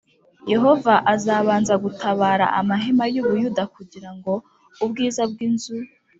Yehova azabanza gutabara amahema y u Buyuda kugira ngo ubwiza bw inzu